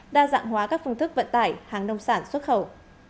đa dạng hóa các phương thức vận tải hàng nông sản xuất khẩu